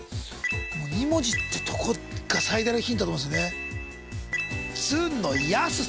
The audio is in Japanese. ２文字ってとこが最大のヒントだと思いますね。